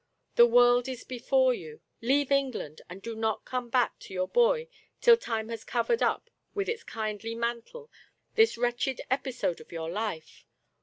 The world is before you ; leave England, and do not come back to your boy till time has covered up with its kindly mantle this wretched episode of your life.